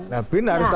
nah bin harus tahu